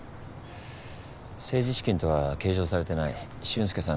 政治資金とは計上されてない俊介さん